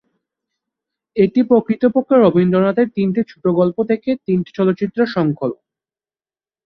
এটি প্রকৃতপক্ষে রবীন্দ্রনাথের তিনটি ছোট গল্প থেকে করা তিনটি চলচ্চিত্রের সংকলন।